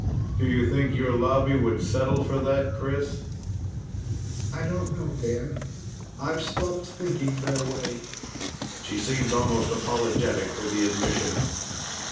"Do you think your Lobby would settle for that, Chris?" "I don't know, Dan. I've stopped thinking their way." She seemed almost apologetic for the admission.